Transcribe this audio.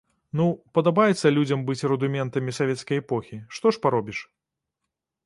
Ну, падабаецца людзям быць рудыментамі савецкай эпохі, то што ж паробіш?